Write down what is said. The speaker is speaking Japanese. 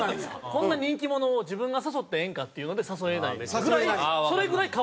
こんな人気者を自分が誘ってええんかっていうので誘えないぐらいそれぐらい可愛いですもん。